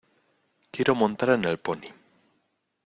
Quiero montar en el pony.